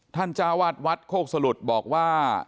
ท่านจาวัดวัดโฆษรุตบอกว่า